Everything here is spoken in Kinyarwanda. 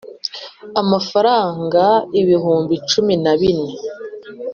Amafaranga ibihumbi cumi na bine